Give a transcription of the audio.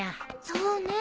そうね